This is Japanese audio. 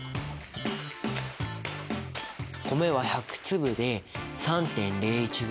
米は１００粒で３．０１ｇ。